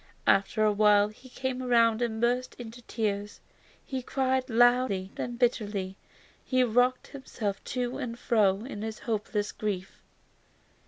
After a while he came round and burst into tears. He cried loudly and bitterly. He rocked himself to and fro in his hopeless grief.